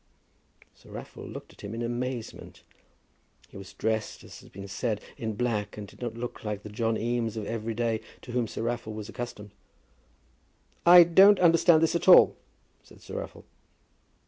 Sir Raffle looked at him in amazement. He was dressed, as has been said, in black, and did not look like the John Eames of every day to whom Sir Raffle was accustomed. "I don't understand this at all," said Sir Raffle.